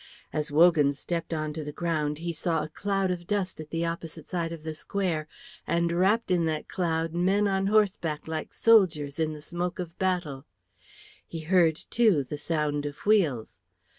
As Wogan stepped onto the ground, he saw a cloud of dust at the opposite side of the square, and wrapped in that cloud men on horseback like soldiers in the smoke of battle; he heard, too, the sound of wheels.